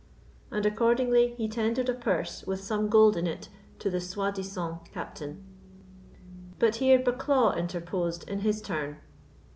And accordingly he tendered a purse with some gold in it to the soi disant captain. But here Bucklaw interposed in his turn.